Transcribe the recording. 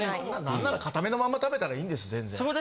何なら硬めのまんま食べたらいいんですぜんぜん。